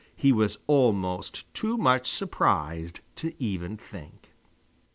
He was almost too much surprised to even think.